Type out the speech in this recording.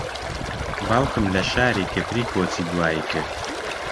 باوکم لە شاری کفری کۆچی دوایی کرد.